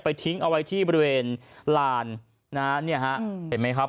ทิ้งเอาไว้ที่บริเวณลานนะฮะเนี่ยฮะเห็นไหมครับ